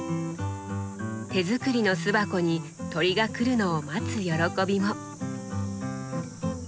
手作りの巣箱に鳥が来るのを待つ喜びも。